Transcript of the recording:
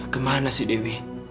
kemana sih tdw